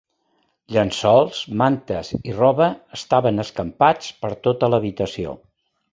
Llençols, mantes i roba estaven escampats per tota l'habitació.